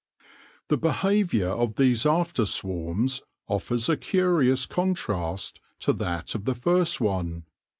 The behaviour of these after swarms offers a curious contrast to that of the first one.